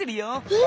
え⁉